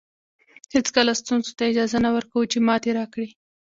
هېڅکله ستونزو ته اجازه نه ورکوو چې ماتې راکړي.